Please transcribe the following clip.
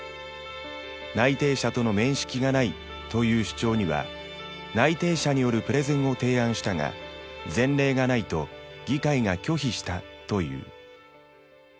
「内定者との面識がない」という主張には「内定者によるプレゼンを提案したが前例がないと議会が拒否した」という。